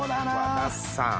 和田さん。